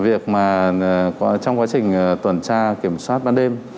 việc mà trong quá trình tuần tra kiểm soát ban đêm